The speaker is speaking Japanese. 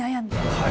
はい。